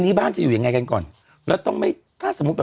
บ้านจะอยู่ยังไงกันก่อนแล้วต้องไม่ถ้าสมมุติแบบ